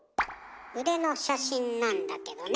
腕の写真なんだけどね。